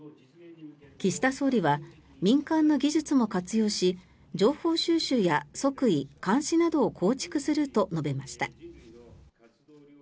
岸田総理は民間の技術も活用し情報収集や測位監視などを構築すると述べました。